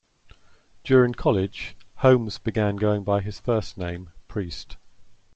During college, Holmes began going by his first name, Priest.